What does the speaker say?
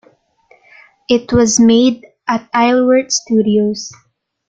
It was made at Isleworth Studios.